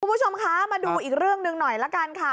คุณผู้ชมคะมาดูอีกเรื่องหนึ่งหน่อยละกันค่ะ